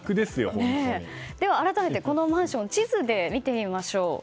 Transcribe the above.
では改めて、このマンション地図で見てみましょう。